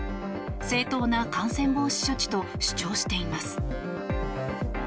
正当な感染防止処置と主張しています。